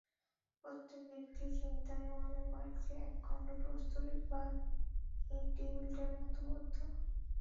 প্রত্যেক ব্যক্তিই চিন্তায় মনে কার্যে একখণ্ড প্রস্তর বা এই টেবিলটার মত বদ্ধ।